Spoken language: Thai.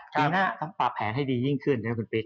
ปีหน้าต้องปรับแผนให้ดียิ่งขึ้นใช่ไหมคุณปิ๊ก